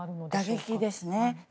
打撃ですね。